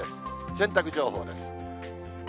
洗濯情報です。